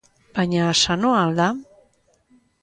Baina, sanoa al da?